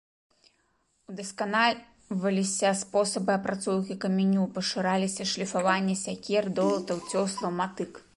Удасканальваліся спосабы апрацоўкі каменю, пашыраліся шліфаванне сякер, долатаў, цёслаў, матык.